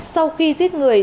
sau khi giết người